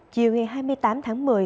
chiều ngày hai mươi tám tháng một mươi